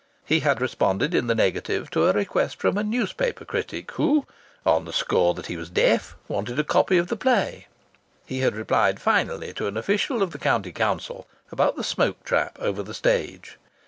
He had responded in the negative to a request from a newspaper critic who, on the score that he was deaf, wanted a copy of the play. He had replied finally to an official of the County Council about the smoke trap over the stage.